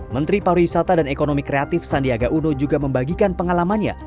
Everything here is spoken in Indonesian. menteri pariwisata dan ekonomi kreatif sandiaga uno juga membagikan pengalamannya